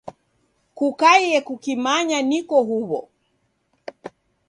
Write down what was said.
Kukaiye kukimanya niko huw'o.